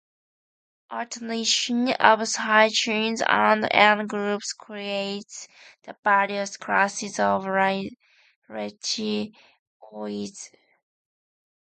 Alternation of side chains and end groups creates the various classes of retinoids.